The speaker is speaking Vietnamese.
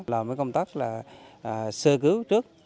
lòm với công tắc là sơ cứu trước